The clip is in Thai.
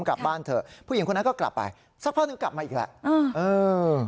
กลับบ้านเถอะผู้หญิงคนนั้นก็กลับไปสักพักหนึ่งกลับมาอีกแล้วเออ